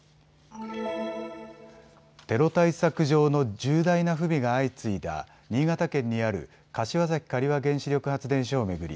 テロ対策上の重大な不備が相次いだ新潟県にある柏崎刈羽原子力発電所を巡り